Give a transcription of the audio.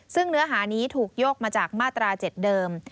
ซึ่งเนื้อหานี้ถูกโยกมาจากมาตรา๗เดิม